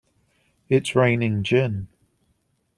It's raining gin!